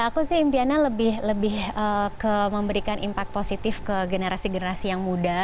aku sih impiannya lebih ke memberikan impact positif ke generasi generasi yang muda